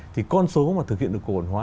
thì con số mà thực hiện được cổ bản hóa